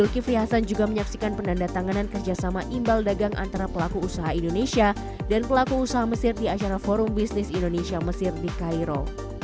zulkifli hasan juga menyaksikan pendandatanganan kerjasama imbal dagang antara indonesia dan pelaku usaha mesir di acara forum bisnis indonesia mesir di cairo